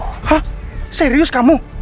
hah serius kamu